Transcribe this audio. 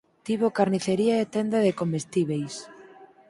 Tivo carnicería e tenda de comestíbeis.